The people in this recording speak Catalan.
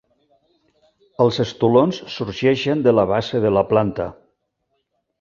Els estolons sorgeixen de la base de la planta.